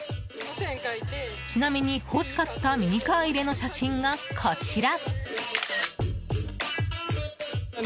ちなみに欲しかったミニカー入れの写真がこちら。